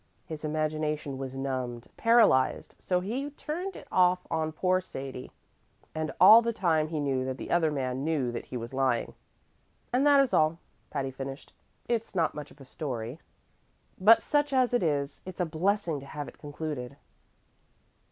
His imagination was numbed, paralyzed; so he turned it off on poor Sadie, and all the time he knew that the other man knew that he was lying. And that is all," Patty finished. "It's not much of a story, but such as it is, it's a blessing to have it concluded."